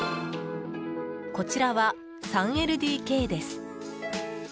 こちらは３ＬＤＫです。